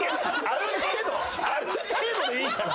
ある程度でいいから。